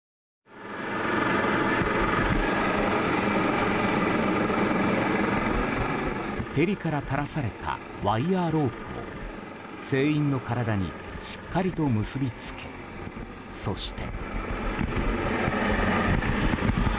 ニトリヘリから垂らされたワイヤロープを船員の体にしっかりと結び付けそして。